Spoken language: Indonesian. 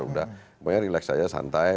pokoknya relax aja santai